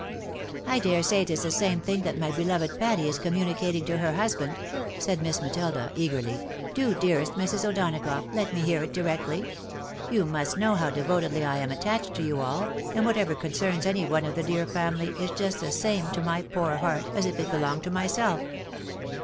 " I dare say it is the same thing that my beloved Patty is com municating to her husband," said Miss Matilda, eagerly. " Do, dearest Mrs. O'Donagough, let me hear it directly. You must know how devotedly I am attached to you all, and whatever con cerns any one of the dear family, is just the same to my poor heart, as if it belonged to myself."